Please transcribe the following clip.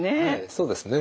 そうですね。